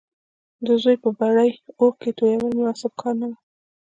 د زوی پر بري اوښکې تويول مناسب کار نه و